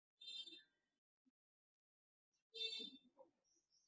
ওই কার্ডটা ভেঙ্গে ফেল আর ক্যামেরাটা আমার ঘরে রেখে আয়।